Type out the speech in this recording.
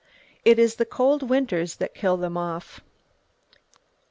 It is the cold winters that kill them off!"